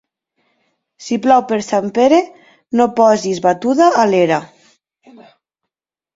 Si plou per Sant Pere, no posis batuda a l'era.